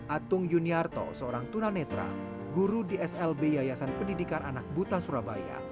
atung juniarto seorang tunanetra guru di slb yayasan pendidikan anak buta surabaya